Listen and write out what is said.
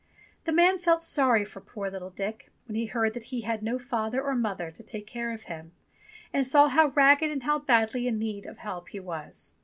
The man felt sorry for poor little Dick when he heard that he had no father or mother to take care of him, and saw how ragged and how badly in need of help he was.